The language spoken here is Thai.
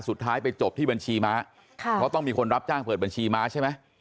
สุดท้ายไปจบที่บัญชีม้าค่ะเพราะต้องมีคนรับจ้างเปิดบัญชีม้าใช่ไหม